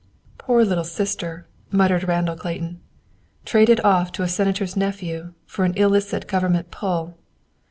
"Poor Little Sister," muttered Randall Clayton. "Traded off to a senator's nephew, for an illicit government pull.